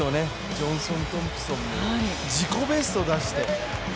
ジョンソン・トンプソンも自己ベスト出して。